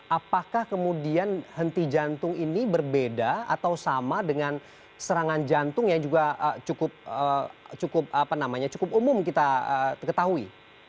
apakah kemudian henti jantung ini berbeda atau sama dengan serangan jantung yang juga cukup umum kita ketahui